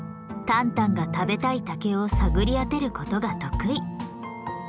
タンタンが食べたい竹を探り当てることが得意。